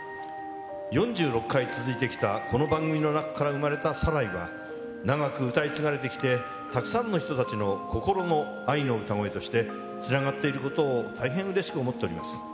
４６回続いてきたこの番組の中から生まれたサライは、長く歌い継がれてきて、たくさんの人たちの心の愛の歌声として、つながっていることを大変うれしく思っております。